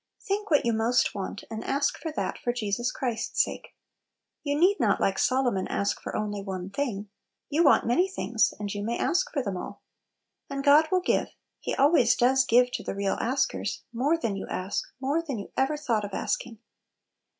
Think what you most want, and ask for that, for Jesus Christ's sake. You need not, like Solomon, ask for only one thing; you want many things, and you may ask for them alL And God will give — He always does give to the real askers — more than you ask, more than you ever thought of asking.